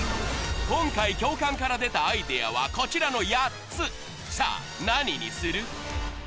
今回教官から出たアイデアはこちらの８つさぁ何にする？